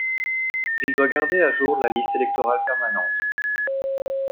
Il doit garder à jour la liste électorale permanente.